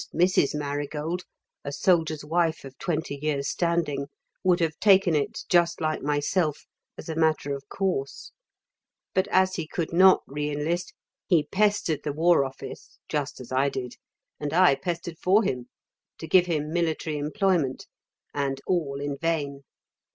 And Mrs. Marigold, a soldier's wife of twenty years' standing, would have taken it, just like myself, as a matter of course. But as he could not re enlist, he pestered the War Office (just as I did) and I pestered for him to give him military employment. And all in vain.